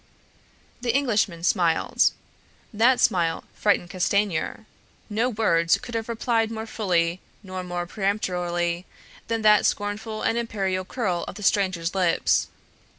The Englishman smiled. That smile frightened Castanier. No words could have replied more fully nor more peremptorily than that scornful and imperial curl of the stranger's lips.